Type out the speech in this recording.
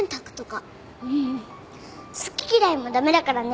うん好き嫌いも駄目だからね。